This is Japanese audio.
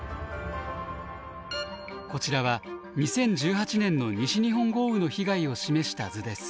こちらは２０１８年の西日本豪雨の被害を示した図です。